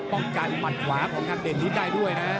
ป้องกันหมัดขวาของทางเด่นฤทธิ์ได้ด้วยนะ